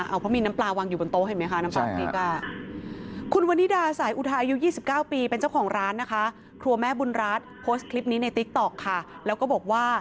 เพราะมีน้ำปลาวางอยู่บนโต๊ะเห็นไหมค่ะน้ำปลาพรีก่ะ